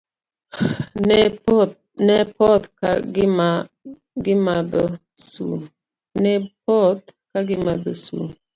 Ne poth ka gimadho sum.